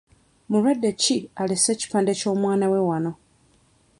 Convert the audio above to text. Mulwadde ki alese ekipande ky'omwana we wano?